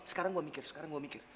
sekarang gue mikir sekarang gue mikir